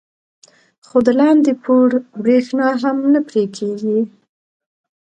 خو د لاندې پوړ برېښنا هم نه پرې کېږي.